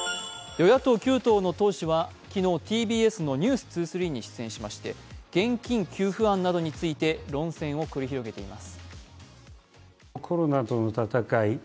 与野党９党の党首は、昨日ＴＢＳの「ｎｅｗｓ２３」に出演しまして現金給付案などについて論戦を繰り広げています。